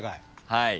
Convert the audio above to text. はい。